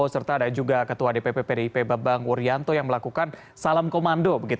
serta ada juga ketua dpp pdip bambang wuryanto yang melakukan salam komando